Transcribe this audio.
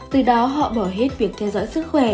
từ đó họ bỏ hết việc theo dõi sức khỏe